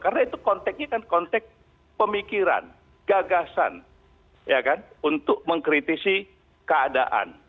karena itu konteknya kan kontek pemikiran gagasan ya kan untuk mengkritisi keadaan